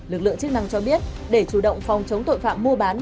lực lượng chức năng cho biết để chủ động phòng chống tội phạm mua bán